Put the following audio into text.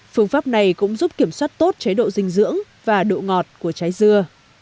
phương pháp này cũng giúp kiểm soát tốt chế độ dinh dưỡng và độ ngọt của trái dưa